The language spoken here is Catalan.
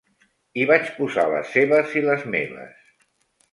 Hi vaig posar les seves i les meves.